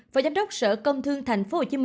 phó giám đốc sở công thương tp hcm